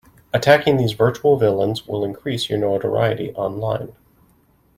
Attacking these virtual villains will increase your notoriety online.